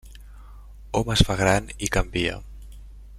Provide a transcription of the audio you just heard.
Hom es fa gran i canvia.